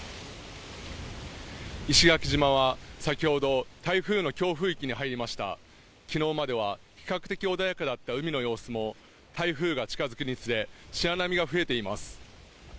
石垣島は先ほど台風の強風域に入りました昨日までは比較的穏やかだった海の様子も台風が近づくにつれ白波が増えています